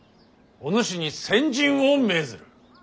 おぬしに先陣を命ずる。